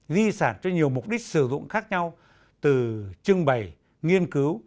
di sản cho nhiều mục đích sử dụng khác nhau từ trưng bày nghiên cứu